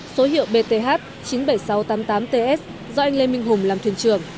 số hiệu bth chín mươi bảy nghìn sáu trăm tám mươi tám ts do anh lê minh hùng làm thuyền trưởng